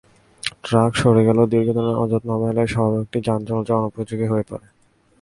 Truck সরে গেলেও দীর্ঘদিনের অযত্ন-অবহেলায় সড়কটি যান চলাচলের অনুপযোগী হয়ে পড়ে।